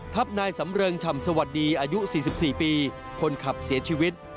ทับนายสำเริงฉ่ำสวัสดีอายุ๔๔ปีคนขับเสียชีวิต